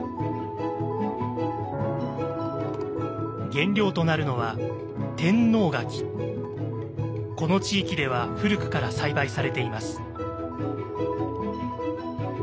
原料となるのはこの地域では古くから栽培されています。